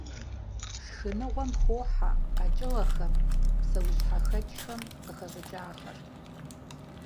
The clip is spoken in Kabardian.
Шхыныгъуэм хохьэ къэкӀыгъэхэм, псэущхьэхэкӀхэм къыхэщӀыкӀахэр.